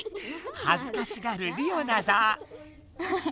はずかしがるりおなさん！